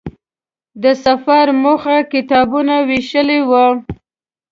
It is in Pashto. د سفر موخه کتابونو وېش و.